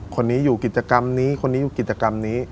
คนนี้อยู่กิจกรรมนี้คนนี้อยู่กิจกรรมนี้